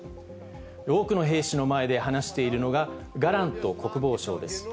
多くの兵士の前で話しているのが、ガラント国防相です。